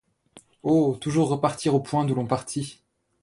Oh ! toujours revenir au point d’où l’on partit !